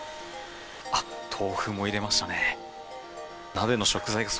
豆腐も入れましたね。